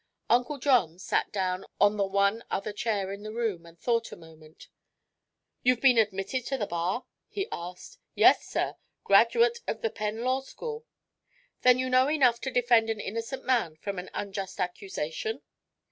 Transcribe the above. Uncle John sat down on the one other chair in the room and thought a moment. "You've been admitted to the bar?" he asked. "Yes, sir. Graduate of the Penn Law School." "Then you know enough to defend an innocent man from an unjust accusation?"